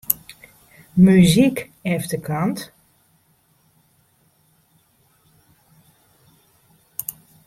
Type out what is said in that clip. Muzyk efterkant.